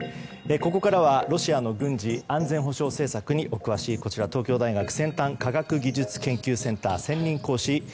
ここからはロシアの軍事・安全保障政策にお詳しい東京大学先端科学技術研究センター専任講師